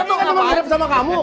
ini kan cuma mirip sama kamu